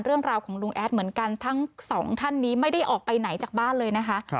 เรื่องราวของลุงแอดเหมือนกันทั้งสองท่านนี้ไม่ได้ออกไปไหนจากบ้านเลยนะคะ